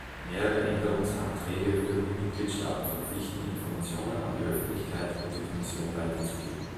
Mehrere Änderungsanträge würden die Mitgliedstaaten verpflichten, Informationen an die Öffentlichkeit und die Kommission weiterzugeben.